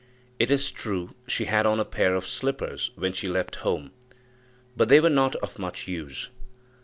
It is true she had on a pair of slippers when she left home, but they were not of much use.